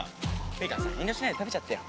いいからさ遠慮しないで食べちゃってよ。